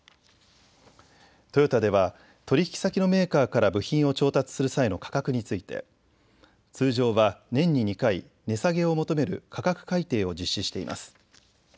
トヨタでは取引先のメーカーから部品を調達する際の価格について通常は年に２回、値下げを求める価格改定を実施しています。